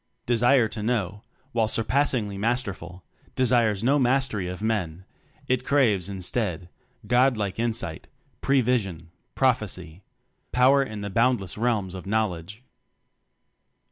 Desire to Know, while surpass ingly Masterful, desires no mastery of Men; it craves instead, God like insight, pre vision, prophecy power in the boundless realms of Knowl edge.